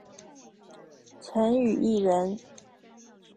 陈与义人。